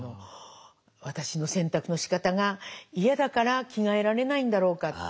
「『私の洗濯のしかたが嫌だから着替えられないんだろうか。